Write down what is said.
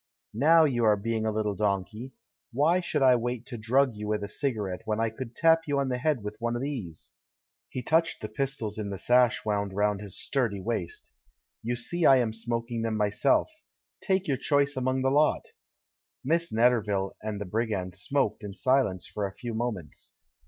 "Now you are being a little donkey! Why should I wait to drug you with a cigarette when I could tap you on the head with one of these?" He touched the pistols in the sash wound round his sturdy waist. "You see I am smoking them myself — take your choice among the lot!" ISIiss Netterville and the brigand smoked in silence for a few moments.